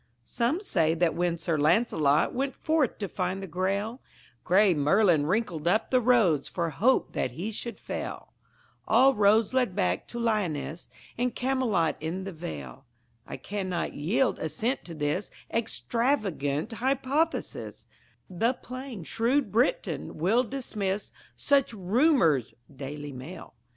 Some say that when Sir Lancelot Went forth to find the Grail, Grey Merlin wrinkled up the roads For hope that he should fail; All roads led back to Lyonesse And Camelot in the Vale, I cannot yield assent to this Extravagant hypothesis, The plain, shrewd Briton will dismiss Such rumours (=Daily Mail=).